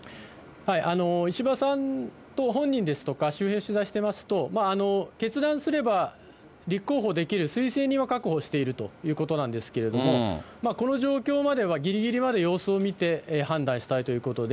石破さんと本人ですとか周辺取材してますと、決断すれば立候補できる推薦人は確保しているということなんですけれども、この状況まではぎりぎりまで様子を見て判断したいということで、